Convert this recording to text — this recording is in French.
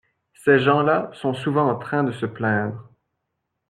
Ces gens-là sont souvent en train de se plaindre.